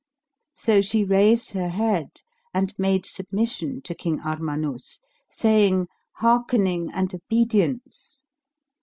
So she raised her head and made submission to King Armanus, saying, "Hearkening and obedience!"